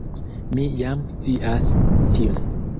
Mi jam scias tion.